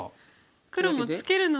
黒もツケる方が。